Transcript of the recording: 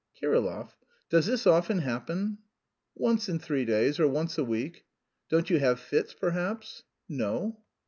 "Kirillov, does this often happen?" "Once in three days, or once a week." "Don't you have fits, perhaps?" "No."